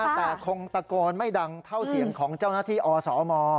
แต่คงตะโกนไม่ดังเท่าเสียงของเจ้าหน้าที่อสม